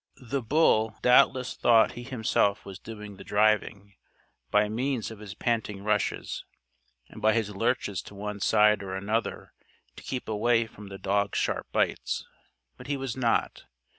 The bull doubtless thought he himself was doing the driving, by means of his panting rushes, and by his lurches to one side or another to keep away from the dog's sharp bites. But he was not.